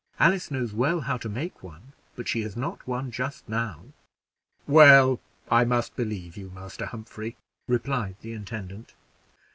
"Alice knows well how to make one, but she has not one just now." "Well, I must believe you, Master Humphrey," replied the intendant.